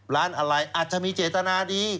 ร้านอะไรอาจจะมีเจตนาดี